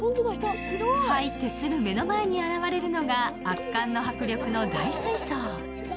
入ってすぐ目の前に現れるのが圧巻の迫力の大水槽。